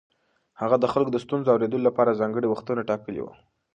هغه د خلکو د ستونزو اورېدو لپاره ځانګړي وختونه ټاکلي وو.